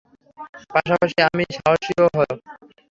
পাশাপাশি আমি সাহসী ও।